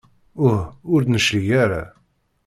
Uh ur d-neclig ara.